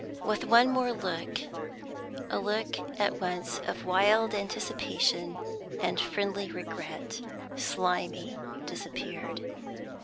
With one more look, a look at once of wild anticipation and friendly regret, Slimy disappeared.